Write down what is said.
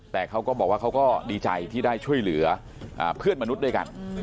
แต่เขาก็บอกว่าเขาก็ดีใจที่ได้ช่วยเหลือเพื่อนมนุษย์ด้วยกัน